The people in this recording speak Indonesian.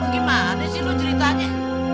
gimana sih lo ceritanya